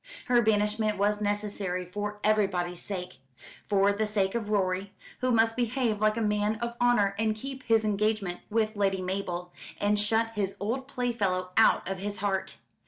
Her banishment was necessary for everybody's sake. For the sake of Rorie, who must behave like a man of honour, and keep his engagement with Lady Mabel, and shut his old playfellow out of his heart.